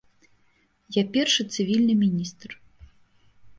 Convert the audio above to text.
Я першы цывільны міністр.